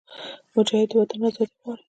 مجاهد د وطن ازادي غواړي.